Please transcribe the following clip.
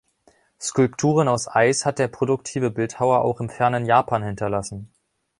Skulpturen aus Eis hat der produktive Bildhauer auch im fernen Japan hinterlassen.